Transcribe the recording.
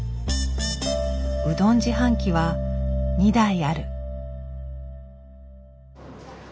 うどん自販機は２台ある。